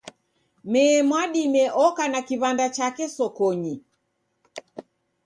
Mee Mwadime oka na kiw'anda chake sokonyi